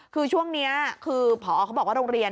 คือช่วงนี้คือผอเขาบอกว่าโรงเรียน